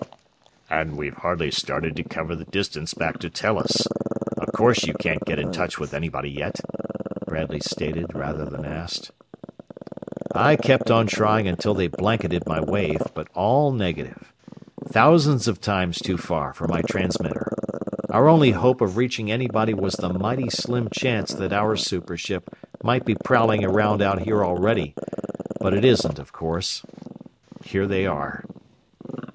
"And we've hardly started to cover the distance back to Tellus. Of course you couldn't get in touch with anybody yet?" Bradley stated, rather than asked. "I kept on trying until they blanketed my wave, but all negative. Thousands of times too far for my transmitter. Our only hope of reaching anybody was the mighty slim chance that our super ship might be prowling around out here already, but it isn't, of course. Here they are!"